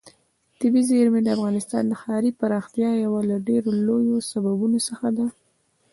طبیعي زیرمې د افغانستان د ښاري پراختیا یو له ډېرو لویو سببونو څخه ده.